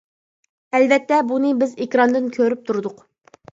ئەلۋەتتە، بۇنى بىز ئېكراندىن كۆرۈپ تۇردۇق.